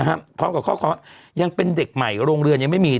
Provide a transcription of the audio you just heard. ยังไม่เป็นเด็กใหม่โรงเรือนยังไม่มี